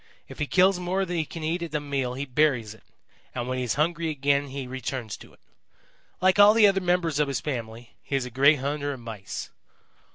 If he kills more than he can eat at a meal he buries it, and when he is hungry again he returns to it. Like all the other members of his family, he is a great hunter of Mice.